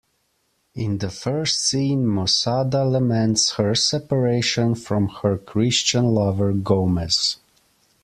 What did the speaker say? In the first scene, Mosada laments her separation from her Christian lover Gomez.